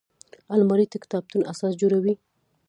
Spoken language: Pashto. الماري د کتابتون اساس جوړوي